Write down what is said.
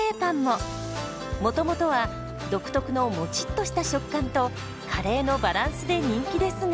もともとは独特のモチッとした食感とカレーのバランスで人気ですが。